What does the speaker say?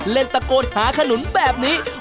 เล่นตะโกนหาขนุนแบบนี้